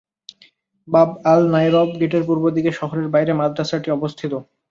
বাব আল-নায়রব গেটের পূর্ব দিকে শহরের বাইরে মাদ্রাসাটি অবস্থিত।